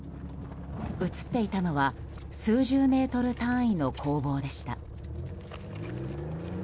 映っていたのは数十メートル単位の攻防でした。